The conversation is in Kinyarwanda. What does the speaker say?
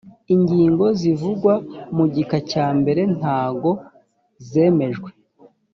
ingingo zivugwa mu gika cya mbere ntago zemejwe